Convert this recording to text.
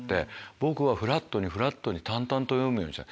僕はフラットにフラットに淡々と読むようにしてた。